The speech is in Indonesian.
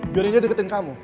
biarin dia deketin kamu